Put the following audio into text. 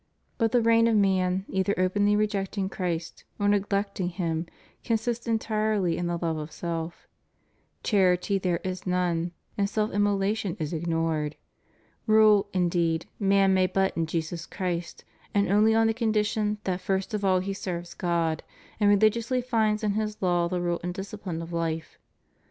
But the reign of man, either openly rejecting Christ or neglecting Him, consists entirely in the love of self ; charity there is none, and self immolation is ignored. Rule, indeed, man may but in Jesus Christ, and only on the condition that first of all he serves God, and religiously finds in His law the rule and disciphne of life.